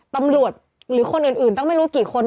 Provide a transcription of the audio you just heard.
ตำรวจหรือคนอื่นตั้งไม่รู้กี่คน